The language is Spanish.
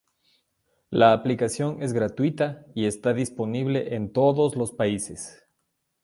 La aplicación es gratuita y está disponible en todos los países.